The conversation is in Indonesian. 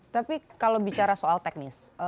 tapi kalau bicara soal teknis